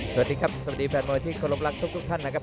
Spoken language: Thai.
สวัสดีครับสวัสดีแฟนมวยที่เคารพรักทุกท่านนะครับ